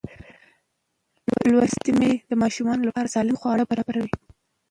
لوستې میندې د ماشوم لپاره سالم خواړه برابروي.